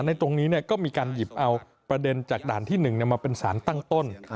ในตรงนี้ก็มีการหยิบเอาประเด็นจากด่านที่๑มาเป็นสารตั้งต้น